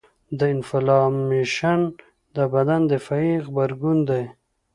د انفلامیشن د بدن دفاعي غبرګون دی.